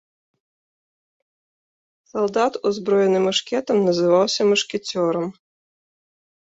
Салдат, узброены мушкетам, называўся мушкецёрам.